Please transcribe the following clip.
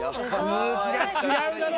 空気が違うだろ？